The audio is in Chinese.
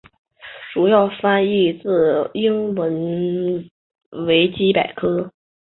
主要翻译自英文维基百科。